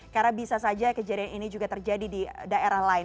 karena bisa saja kejadian ini juga terjadi di daerah lain